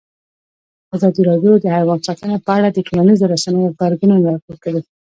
ازادي راډیو د حیوان ساتنه په اړه د ټولنیزو رسنیو غبرګونونه راټول کړي.